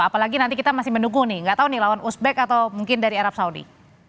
apalagi nanti kita masih menunggu nih nggak tahu nih lawan uzbek atau mungkin dari arab saudi